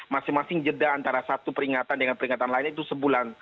masing masing jeda antara satu peringatan dengan peringatan lain itu sebulan